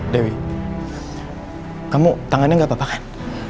dewi kamu tangannya gak apa apa kan